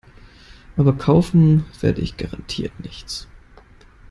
Aber kaufen werde ich garantiert nichts.